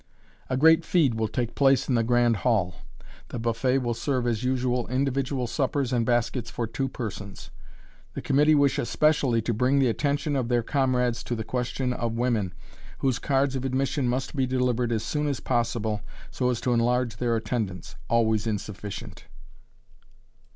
A great "feed" will take place in the grand hall; the buffet will serve as usual individual suppers and baskets for two persons. The committee wish especially to bring the attention of their comrades to the question of women, whose cards of admission must be delivered as soon as possible, so as to enlarge their attendance always insufficient.